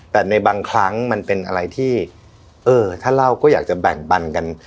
แต่ในบางครั้งมันเป็นอะไรที่เออถ้าเล่าก็อยากจะแบ่งปันกัน